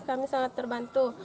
kami sangat terbantu